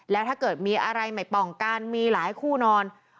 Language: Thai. แล้วถ้าเกิดมีอะไรไม่ป้องกันมีหลายคู่นอน